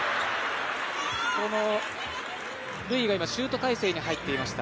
ルイがシュート体勢に入っていました。